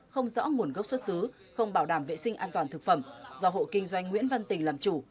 không rõ nguồn gốc xuất xứ không bảo đảm vệ sinh an toàn thực phẩm do hộ kinh doanh nguyễn văn tình làm chủ